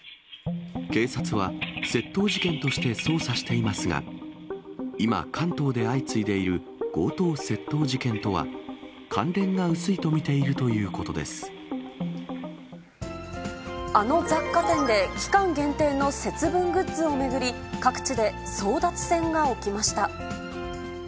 警察は窃盗事件として捜査していますが、今、関東で相次いでいる強盗・窃盗事件とは、関連があの雑貨店で期間限定の節分グッズを巡り、各地で争奪戦が起きました。